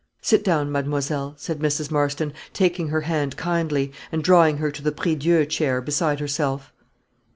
"Sit down, mademoiselle," said Mrs. Marston, taking her hand kindly, and drawing her to the prie dieu chair beside herself.